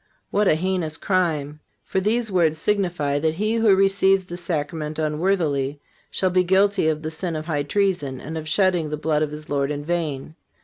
What a heinous crime! For these words signify that he who receives the Sacrament unworthily shall be guilty of the sin of high treason, and of shedding the blood of his Lord in vain.